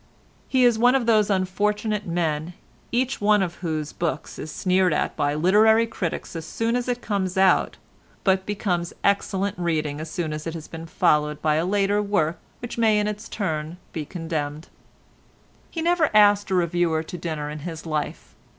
He is one of those unfortunate men, each one of whose books is sneered at by literary critics as soon as it comes out, but becomes "excellent reading" as soon as it has been followed by a later work which may in its turn be condemned. He never asked a reviewer to dinner in his life.